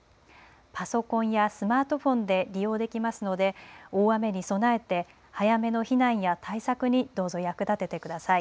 パソコンやスマートフォンで利用できますので大雨に備えて早めの避難や対策にどうぞ役立ててください。